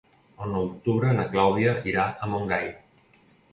El nou d'octubre na Clàudia irà a Montgai.